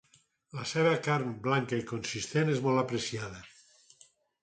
La seva carn, blanca i consistent, és molt apreciada.